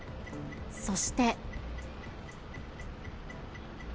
そして。